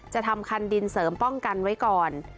จะทำคันดินเสริมป้องกันไว้ก่อน